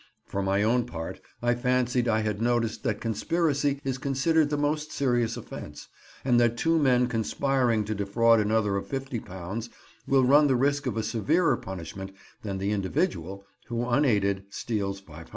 For my own part I fancied I had noticed that conspiracy is considered the most serious offence, and that two men conspiring to defraud another of £50 will run the risk of a severer punishment than the individual who unaided steals £500.